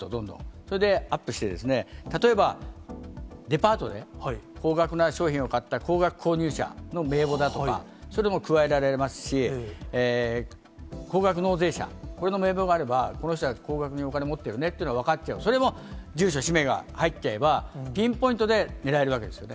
それで、アップしてですね、例えば、デパートで高額な商品を買った、高額購入者の名簿だとか、それも加えられますし、高額納税者、これの名簿があれば、この人は高額にお金持ってるねって分かっちゃう、それも住所、氏名が入っちゃえば、ピンポイントで狙えるわけですよね。